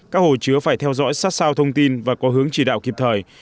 các hồ chứa phải theo dõi sát sao thông tin và có hướng chỉ đạo kịp thời